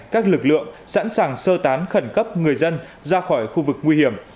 các lực lượng sẵn sàng sơ tán khẩn cấp người dân ra khỏi khu vực nguy hiểm